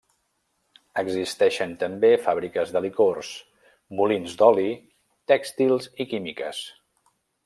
Existeixen també fàbriques de licors, molins d'oli, tèxtils i químiques.